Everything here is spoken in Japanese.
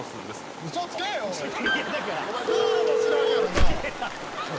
お前ルールも知らんやろなぁ？